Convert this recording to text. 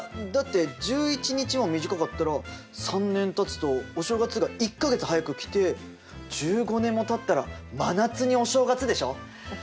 だって１１日も短かったら３年たつとお正月が１か月早く来て１５年もたったら真夏にお正月でしょ？